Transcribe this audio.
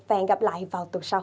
và hẹn gặp lại vào tuần sau